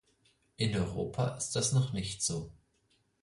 In Europa ist das noch nicht so.